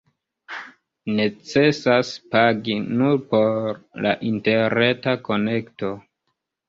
Necesas pagi nur por la interreta konekto.